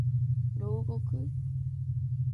牢獄